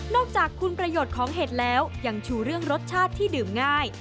จากคุณประโยชน์ของเห็ดแล้วยังชูเรื่องรสชาติที่ดื่มง่าย